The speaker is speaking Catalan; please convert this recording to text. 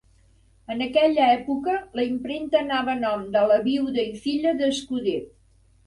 En aquella època la impremta anava a nom de la viuda i filla d'Escuder.